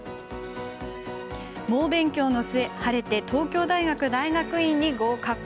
猛勉強の末晴れて東京大学大学院に合格。